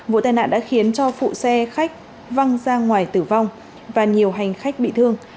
vụ tai nạn đã khiến cho phụ xe khách văng ra ngoài tử vong và nhiều hành khách bị thương